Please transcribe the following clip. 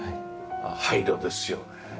配慮ですよね。